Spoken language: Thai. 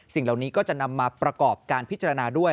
สิ่งเหล่านี้ก็จะนำมาประกอบการพิจารณาด้วย